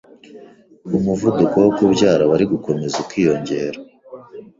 umuvuduko wo kubyara wari gukomeza ukiyongera,